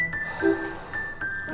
nanti dia kecanduan lagi